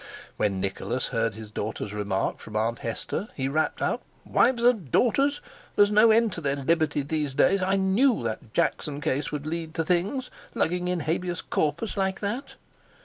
When Nicholas heard his daughter's remark from Aunt Hester he had rapped out: "Wives and daughters! There's no end to their liberty in these days. I knew that 'Jackson' case would lead to things—lugging in Habeas Corpus like that!"